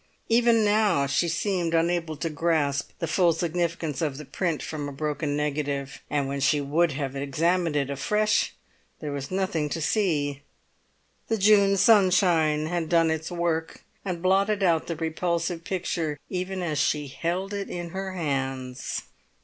Even now she seemed unable to grasp the full significance of the print from the broken negative; and when she would have examined it afresh, there was nothing to see; the June sunshine had done its work, and blotted out the repulsive picture even as she held it in her hands.